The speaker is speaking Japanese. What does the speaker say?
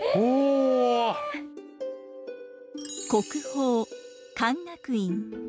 国宝勧学院。